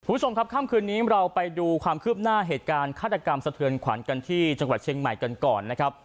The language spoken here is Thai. คุณผู้ชมครับค่ำคืนนี้เราไปดูความคืบหน้าเหตุการณ์ฆาตกรรมสะเทือนขวัญกันที่จังหวัดเชียงใหม่กันก่อนนะครับ